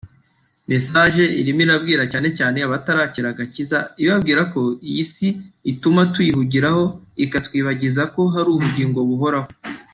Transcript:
message irimo irabwira cyane cyane abatarakira agakiza ibabwira ko iyi si ituma tuyihugiraho ikatwibagiza ko hari ubugingo buhoraho